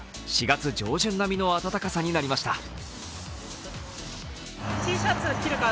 ４月上旬並みの暖かさとなりました